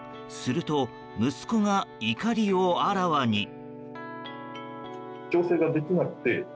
すると、息子が怒りをあらわに。